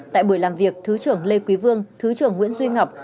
tại buổi làm việc thứ trưởng lê quý vương thứ trưởng nguyễn duy ngọc